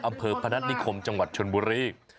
อำเภอพนัทนิคมจังหวัดชนบุรี